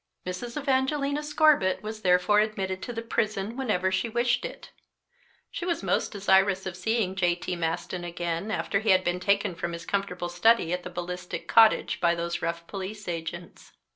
Mrs. Evangelina Scorbitt was therefore admitted to the prison whenever she wished it. She was most desirous of seeing J.T. Maston again after he had been taken from his comfortable study at Ballistic Cottage by those rough police agents.